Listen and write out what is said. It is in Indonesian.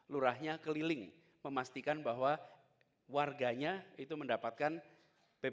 lurahnya keliling memastikan bahwa warganya itu mendapatkan ppkm